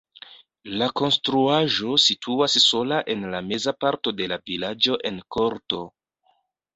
La konstruaĵo situas sola en la meza parto de la vilaĝo en korto.